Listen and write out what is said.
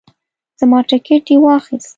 زما ټیکټ یې واخیست.